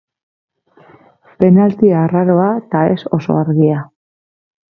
Penalti arraroa eta ez oso argia.